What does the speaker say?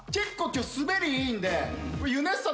今日滑りいいんで。